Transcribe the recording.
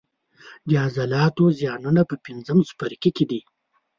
د عضلاتو زیانونه په پنځم څپرکي کې دي.